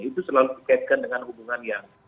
itu selalu dikaitkan dengan hubungan yang